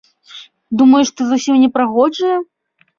Думаеш, ты зусім непрыгожая?